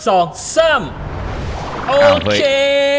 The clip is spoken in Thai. โอเค